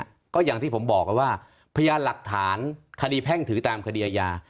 ก็อย่างที่ผมบอกว่าพยานหลักฐานคดีแพ่งถือตามคดีอาญา